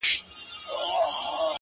څنګه د بورا د سینې اور وینو!.